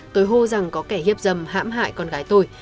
tôi hô rằng có kẻ hiếp dâm hãm hại con gái tôi